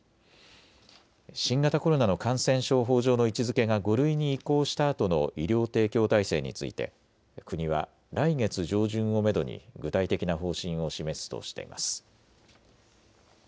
新型コロナの感染症法上の位置づけが５類に移行したあとの医療提供体制について国は来月上旬をめどに具体的な方針を示すとしています。